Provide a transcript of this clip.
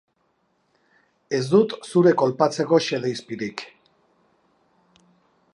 Ez dut zure kolpatzeko xede izpirik.